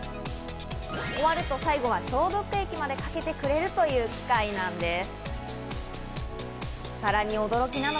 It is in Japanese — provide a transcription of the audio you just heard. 終わると最後は消毒液までかけてくれるという機械なんです。